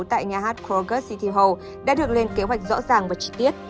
tại nhà hát kroger city hall đã được lên kế hoạch rõ ràng và trí tiết